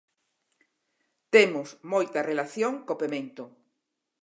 Temos moita relación co pemento.